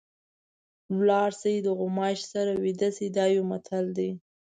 لاړ شئ د غوماشي سره ویده شئ دا یو متل دی.